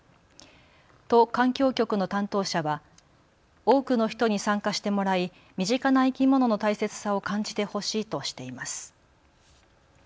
都環境局の担当者は多くの人に参加してもらい身近な生き物の大切さを感じてほしいとしています。